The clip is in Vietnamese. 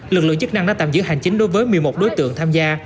lực lượng chức năng đã tạm giữ hành chính đối với một mươi một đối tượng tham gia